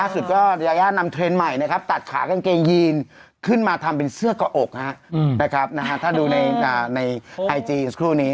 ซึ่งน้องดาวก็อยากเป็นแบบนั้น